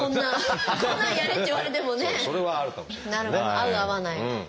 合う合わないが。